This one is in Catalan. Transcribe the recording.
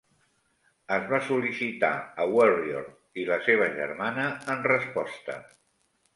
Es va sol·licitar a "Warrior" i la seva germana en resposta.